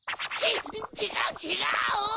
ちがうちがう！